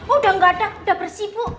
udah gak ada udah bersih bu